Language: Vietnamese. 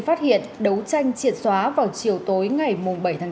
phát hiện đấu tranh triệt xóa vào chiều tối ngày bảy tháng chín